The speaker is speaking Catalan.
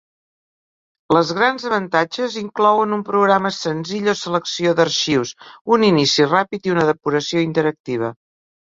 Les grans avantatges inclouen un programa senzill o selecció d'arxius, un inici ràpid i una depuració interactiva.